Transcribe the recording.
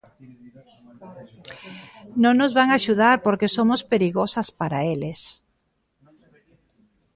Non nos van axudar porque somos perigosas para eles.